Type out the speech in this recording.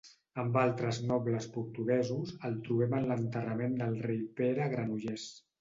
Amb altres nobles portuguesos, el trobem en l'enterrament del rei Pere a Granollers.